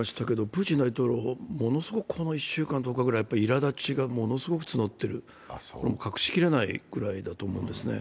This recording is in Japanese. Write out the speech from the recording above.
プーチン大統領、この１週間、１０日ぐらい、いらだちがものすごく募っている、隠し切れないぐらいだと思うんですね。